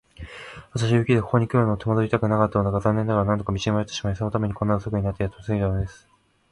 私は雪でここにくるのを手間取りたくなかったのだが、残念ながら何度か道に迷ってしまい、そのためにこんなに遅くなってやっと着いたのです。